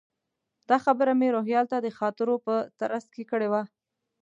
دا خبره مې روهیال ته د خاطرو په ترڅ کې کړې وه.